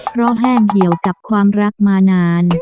เพราะแห้งเหี่ยวกับความรักมานาน